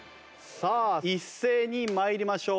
さあ一斉に参りましょう。